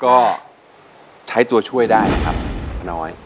ก็ใช้ตัวช่วยได้นะครับป้าน้อย